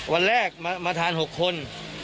วันแรกมาทาน๖คน